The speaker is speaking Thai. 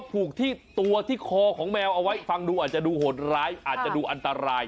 ผูกที่ตัวที่คอของแมวเอาไว้ฟังดูอาจจะดูโหดร้ายอาจจะดูอันตราย